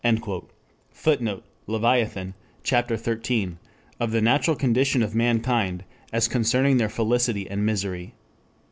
[Footnote: Leviathan, Ch. XIII. Of the Natural Condition of Mankind as concerning their Felicity and Misery.